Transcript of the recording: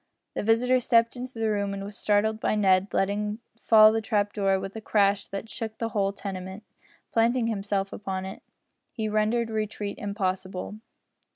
The visitor stepped into the room and was startled by Ned letting fall the trap door with a crash that shook the whole tenement. Planting himself upon it, he rendered retreat impossible.